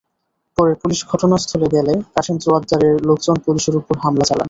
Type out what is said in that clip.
পরে পুলিশ ঘটনাস্থলে গেলে কাশেম জোয়াদ্দারের লোকজন পুলিশের ওপর হামলা চালান।